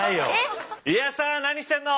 家康さん何してんの？